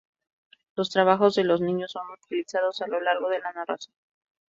Los trabajos de los niños son utilizados a lo largo de la narración.